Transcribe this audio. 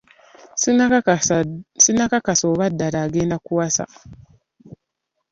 Sinakakasa oba ddala agenda kuwasa.